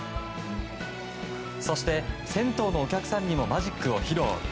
そして、銭湯のお客さんにもマジックを披露。